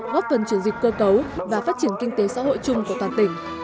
góp phần chuyển dịch cơ cấu và phát triển kinh tế xã hội chung của toàn tỉnh